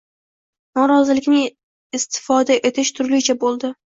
norozilikni istifoda etish turlicha bo‘ldi